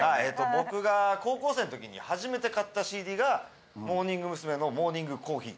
僕が高校生の時に初めて買ったＣＤがモーニング娘。の『モーニングコーヒー』。